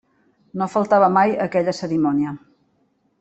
No faltava mai a aquella cerimònia.